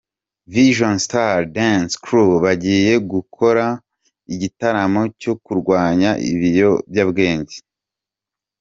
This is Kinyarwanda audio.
Vision Star Dance Crew bagiye gukora igitaramo cyo kurwanya ibiyobyabwenge.